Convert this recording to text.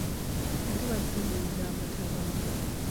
Entobazi ziziyiza amataba.